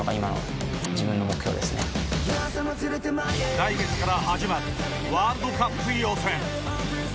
来月から始まるワールドカップ予選。